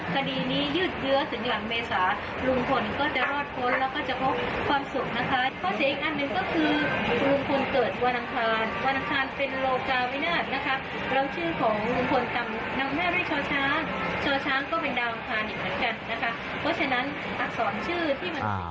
คดีนี้ยืดเยื้อถึงหลังเมษารุงพลก็จะรอดพ้นและจะพบความสุขนะคะ